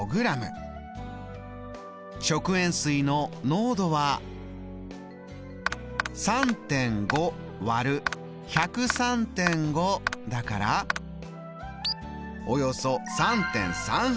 食塩水の濃度は３．５割る１０３．５だからおよそ３．３８％。